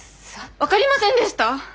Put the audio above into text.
分かりませんでした？